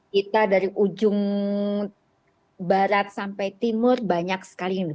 kita dari ujung barat sampai timur banyak sekali ini